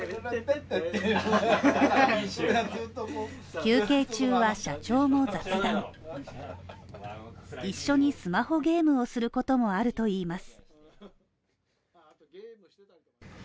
休憩中は社長も雑談一緒にスマホゲームをすることもあるといいます。